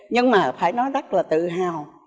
nhưng mà phải nói rất là tự hào